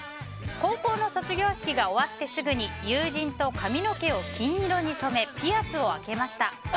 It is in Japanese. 高校の卒業式が終わってすぐに友人と髪の毛を金色に染めピアスを開けました。